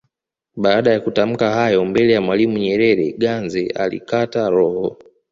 Baada ya kutamka hayo mbele ya Mwalimu Nyerere Ganze alikata roho